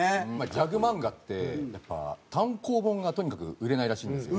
ギャグ漫画ってやっぱ単行本がとにかく売れないらしいんですよ。